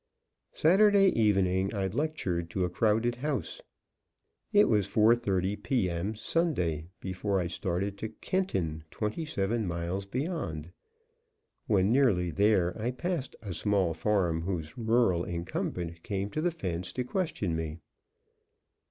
Saturday evening I lectured to a crowded house. It was 4:30 P. M. Sunday before I started to Kenton, twenty seven miles beyond. When nearly there, I passed a small farm whose rural incumbent came to the fence to question me.